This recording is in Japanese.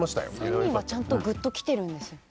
３人はちゃんとぐっと来てるんですよ。